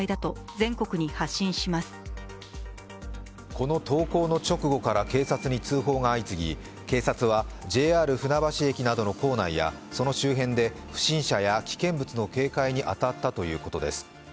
この投稿の直後から警察に通報が相次ぎ警察はＪＲ船橋駅などの構内やその周辺で不審者な危険物の警戒に当たったということです。